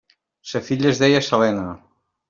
Sa filla es deia Selene.